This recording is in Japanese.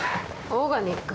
オーガニック？